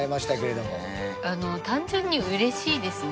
単純に嬉しいですね。